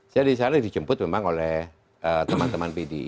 saya di sana dijemput memang oleh teman teman pdi